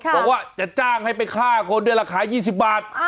บอกว่าจะจ้างให้ไปฆ่าคนด้วยละคายยี่สิบบาท